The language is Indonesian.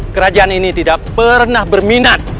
kerajaan ini tidak pernah berminat